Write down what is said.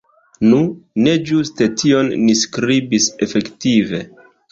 Nu, ne ĝuste tion ni skribis efektive.